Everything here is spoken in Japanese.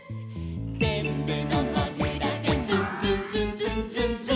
「ぜんぶのもぐらが」「ズンズンズンズンズンズン」